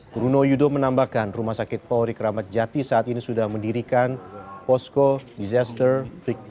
kruno yudo menambahkan rumah sakit polri keramat jati saat ini sudah mendirikan posko disaster victim